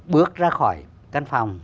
bước ra khỏi căn phòng